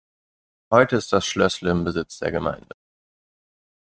Heute ist das Schlössle im Besitz der Gemeinde.